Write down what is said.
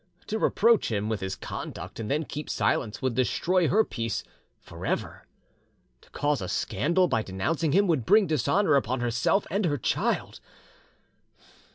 To reproach him with his conduct and then keep silence would destroy her peace for ever; to cause a scandal by denouncing him would bring dishonour upon herself and her child.